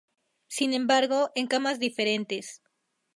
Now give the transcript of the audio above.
Sin embargo, en camas diferentes.